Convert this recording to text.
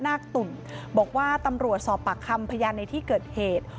นาคตุ่มบอกว่าตำรวจสอบปากคำพยานในที่เกิดเหตุ